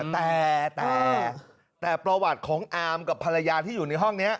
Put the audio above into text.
แต่แต่ประวัติของอามกับภรรยาที่อยู่ในห้องนี้